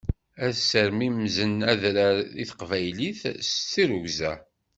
Ad sermimzen adrar i taqbaylit s tirugza.